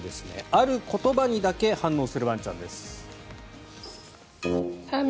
ある言葉にだけ反応するワンちゃんです。